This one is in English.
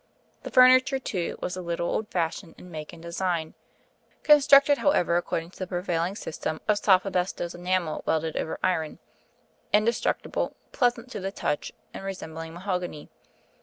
The furniture, too, was a little old fashioned in make and design, constructed however according to the prevailing system of soft asbestos enamel welded over iron, indestructible, pleasant to the touch, and resembling mahogany.